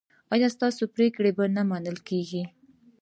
ایا ستاسو پریکړې به نه منل کیږي؟